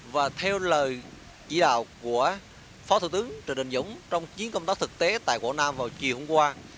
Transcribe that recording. và theo lời chỉ đạo của phó thủ tướng trần đình dũng trong chiến công tác thực tế tại quảng nam vào chiều hôm qua